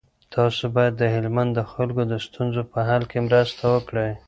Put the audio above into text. تاسو باید د هلمند د خلکو د ستونزو په حل کي مرسته وکړئ.